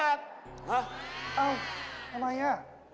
เอ้าทำไมน่ะ